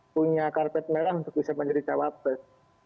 punya karpet merah untuk bisa menjadi cawapres